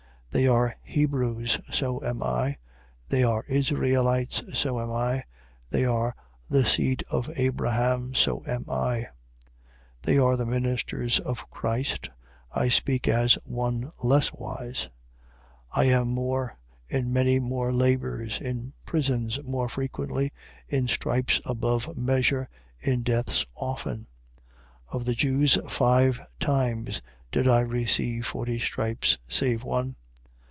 11:22. They are Hebrews: so am I. They are Israelites: so am I. They are the seed of Abraham: so am I. 11:23. They are the ministers of Christ (I speak as one less wise): I am more; in many more labours, in prisons more frequently, in stripes above measure, in deaths often. 11:24. Of the Jews five times did I receive forty stripes save one.